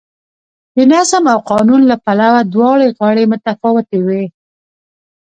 د نظم او قانون له پلوه دواړه غاړې متفاوتې وې.